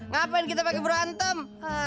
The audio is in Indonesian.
ngapain kita pakai berantem